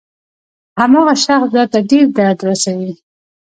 هماغه شخص درته ډېر درد رسوي.